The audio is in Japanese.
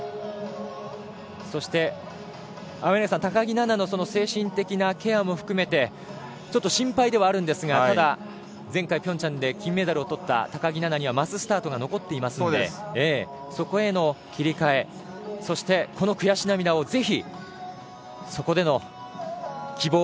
そして青柳さん高木菜那の精神的なケアを含めてちょっと心配ではあるんですが前回、平昌で金メダルをとった高木菜那にはマススタートが残っていますのでそこへの切り替えそして、この悔し涙を